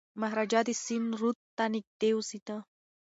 مهاراجا د سند رود ته نږدې اوسېده.